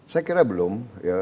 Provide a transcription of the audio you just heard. saya kira belum